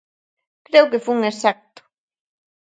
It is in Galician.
Creo que fun exacto.